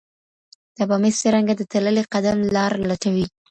ته به مي څرنګه د تللي قدم لار لټوې